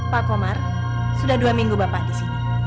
pak komar sudah dua minggu bapak di sini